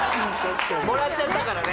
もらっちゃったからね。